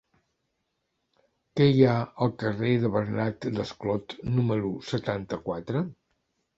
Què hi ha al carrer de Bernat Desclot número setanta-quatre?